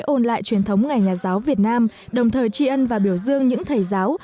ôn lại truyền thống ngày nhà giáo việt nam đồng thời tri ân và biểu dương những thầy giáo